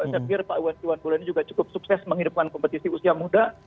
set gir pak uwansi wanpul ini juga cukup sukses menghidupkan kompetisi usia muda